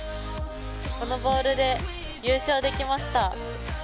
このボールで優勝できました。